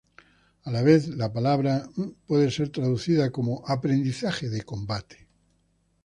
A la vez, la palabra 修斗 puede ser traducida como "aprendizaje de combate".